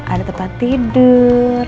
ada tempat tidur